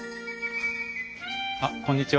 あっこんにちは。